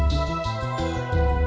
aku mau ke rumah